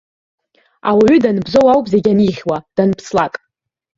Ауаҩы данбзоу ауп зегь анихьуа, данԥслак.